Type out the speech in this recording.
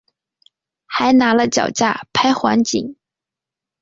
还拿了脚架拍环景